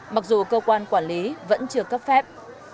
mặc dù cơ quan quản lý vẫn chưa cấp phép